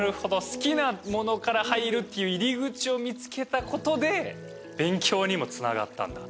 好きなものから入るっていう入り口を見つけたことで勉強にもつながったんだ？